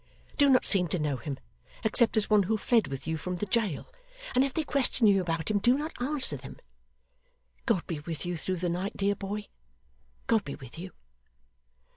Do not seem to know him, except as one who fled with you from the jail, and if they question you about him, do not answer them. God be with you through the night, dear boy! God be with you!